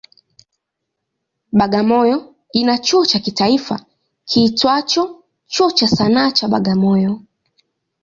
Bagamoyo ina chuo cha kitaifa kiitwacho Chuo cha Sanaa cha Bagamoyo.